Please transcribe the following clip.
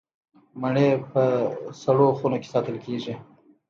مڼې په سړو خونو کې ساتل کیږي.